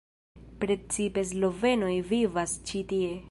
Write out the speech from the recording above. Precipe slovenoj vivas ĉi tie.